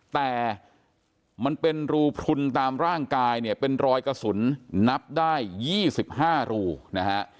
แต่มันเป็นรูพลุนตามร่างกายเนี่ยเป็นรอยกระสุนนับได้๒๕รูนะฮะ